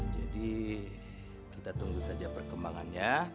jadi kita tunggu saja perkembangannya